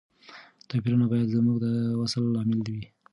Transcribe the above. توپیرونه باید زموږ د وصل لامل وي.